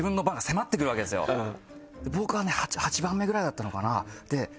僕はね８番目ぐらいだったのかな？